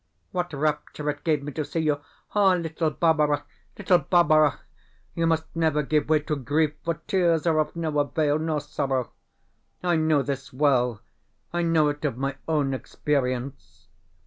What rapture it gave me to see you! Ah, little Barbara, little Barbara, you must never give way to grief, for tears are of no avail, nor sorrow. I know this well I know it of my own experience.